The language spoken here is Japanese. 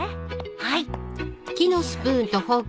はい。